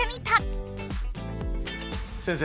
先生。